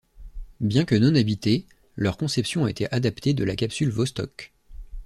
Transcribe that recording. Bien que non habités, leur conception a été adaptée de la capsule Vostok.